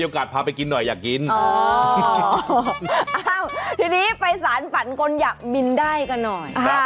มีโอกาสพาไปกินหน่อยอยากกินอ๋ออ้าวทีนี้ไปสารฝันคนอยากบินได้กันหน่อยอ่า